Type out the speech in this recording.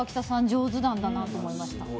上手なんだなと思いました。